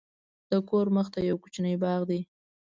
د کور مخته یو کوچنی باغ دی.